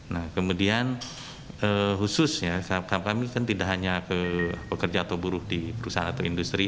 nah kemudian khususnya kami kan tidak hanya pekerja atau buruh di perusahaan atau industri